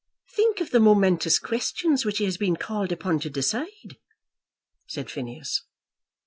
"Think of the momentous questions which he has been called upon to decide," said Phineas.